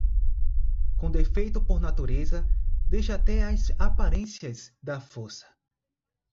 Com defeito por natureza, deixa até as aparências da força.